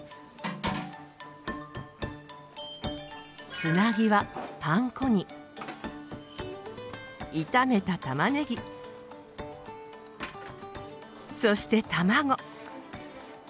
つなぎはパン粉に炒めた玉ねぎそして卵。